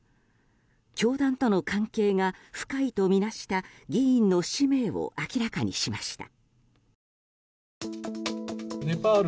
教団との関係が深いとみなした議員の氏名を明らかにしました。